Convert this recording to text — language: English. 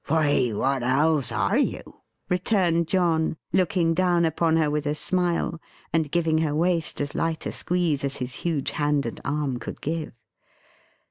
"Why what else are you?" returned John, looking down upon her with a smile, and giving her waist as light a squeeze as his huge hand and arm could give.